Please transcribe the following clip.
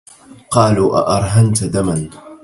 قالوا أأرهنت دما